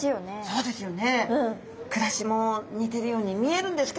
そうですよね。